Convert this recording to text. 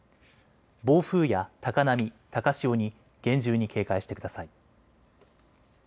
暴風や高波、高潮に厳重に警戒してください。